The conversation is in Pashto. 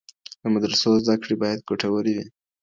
د مدرسو زده کړې بايد ګټورې وي.